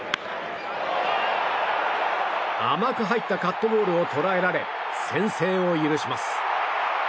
甘く入ったカットボールを捉えられ、先制を許します。